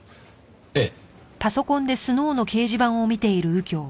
ええ。